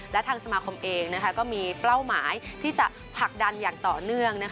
และทางสมาคมเองก็มีเป้าหมายที่จะผลักดันอย่างต่อเนื่อง